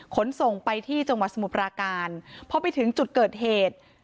ขนส่งไปที่จังหวัดสมุทรปราการพอไปถึงจุดเกิดเหตุ